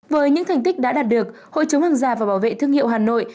với những thành tích đã đạt được hội chống hàng giả và bảo vệ thương hiệu hà nội